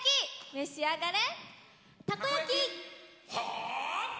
召し上がれ！